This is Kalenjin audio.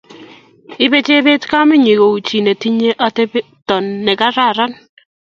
Ibe Chebet kamenyi ku chi netinye atepto negararan